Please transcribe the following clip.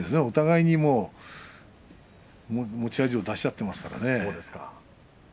お互いに持ち味を出し合っていますからね。